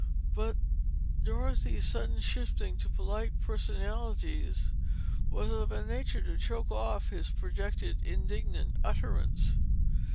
But Dorothy's sudden shifting to polite personalities was of a nature to choke off his projected indignant utterance.